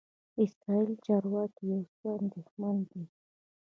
اسرائیلي چارواکي یو څه اندېښمن دي.